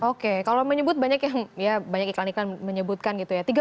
oke kalau menyebut banyak yang ya banyak iklan iklan menyebutkan gitu ya